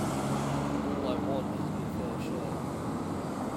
All I want is me fair share.